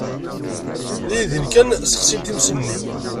Dindin kan sseɣsin times-nni.